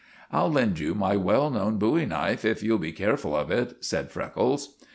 "I'll lend you my well known bowie knife if you'll be careful of it," said Freckles.